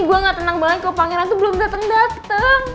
gue gak tenang banget kalau pangeran tuh belum dateng dateng